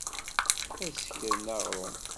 Ad sekren aɣṛum.